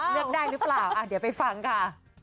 เลือกได้หรือเปล่าเดี๋ยวไปฟังค่ะ